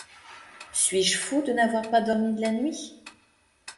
Suis-je fou de n’avoir pas dormi de la nuit ?